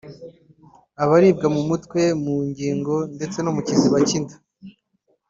aba aribwa mu mutwe mu ngingo ndetse no mu kiziba k’inda